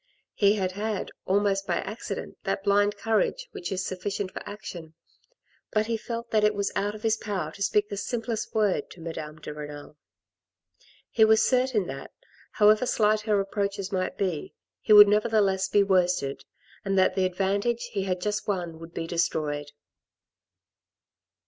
He had had, almost by accident that blind courage which is sufficient for action ; but he felt that it was out of his power to speak the simplest word to Madame de Renal. He was certain that, however slight her reproaches might be, he would nevertheless be worsted, and that the advantage he had just won would be destroyed.